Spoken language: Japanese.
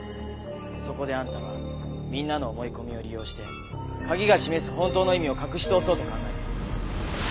そこであんたはみんなの思い込みを利用して鍵が示す本当の意味を隠し通そうと考えた。